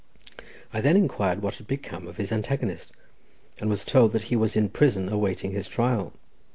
I then inquired what had become of his antagonist, and was told that he was in prison awaiting his trial.